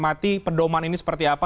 mati pedoman ini seperti apa